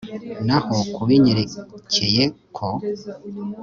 naho ku binyerekeyeko